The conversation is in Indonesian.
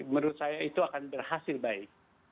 menurut saya itu akan berhasil baik